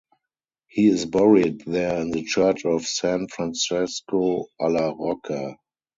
He is buried there in the church of San Francesco alla Rocca.